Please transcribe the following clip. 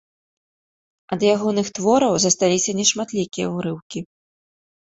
Ад ягоных твораў засталіся нешматлікія ўрыўкі.